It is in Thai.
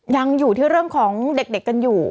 ยังอยู่ที่เรื่องของเด็กกันอยู่